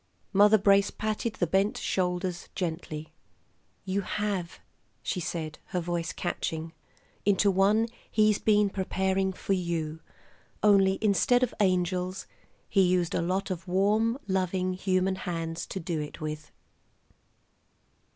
Mother Brace patted the bent shoulders gently. "You have," she said, her voice catching, "into one He's been preparing for you. Only instead of angels He used a lot of warm, loving human hands to do it with."